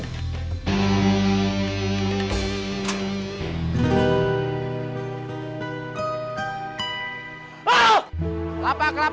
hapus semua tato kamu